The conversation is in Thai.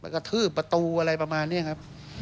กระทืบประตูอะไรประมาณนี้ครับ